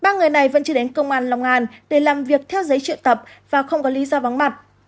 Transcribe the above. ba người này vẫn chưa đến công an long an để làm việc theo giấy triệu tập và không có lý do vắng mặt